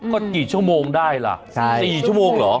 ก็กี่ชั่วโมงได้ล่ะ๔ชั่วโมงเหรอ